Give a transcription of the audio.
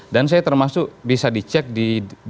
dan saya termasuk bisa dicek di jadwal